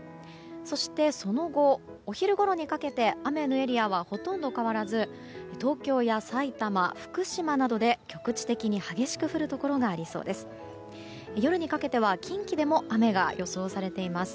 そして、その後お昼ごろにかけて雨のエリアはほとんど変わらず東京や埼玉、福島などで局地的に激しく降るところがありそうです。